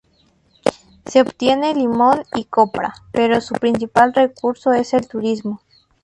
Se obtiene limón y copra, pero su principal recurso es el turismo.